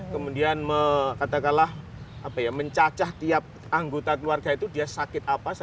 kemudian katakanlah mencacah tiap anggota keluarga itu dia sakit apa